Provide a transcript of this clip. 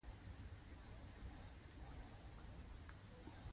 بدرنګه ذهن له پوهې کرکه لري